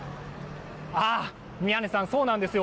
宮根さん、そうなんですよ。